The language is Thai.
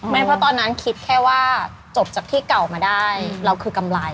เพราะตอนนั้นคิดแค่ว่าจบจากที่เก่ามาได้เราคือกำไร